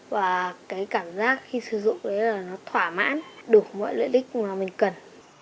và cái cảm giác khi sử dụng đấy là nó thỏa mãn đủ mọi lợi ích mà mình cần